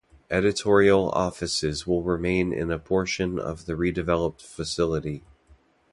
Editorial offices will remain in a portion of the redeveloped facility.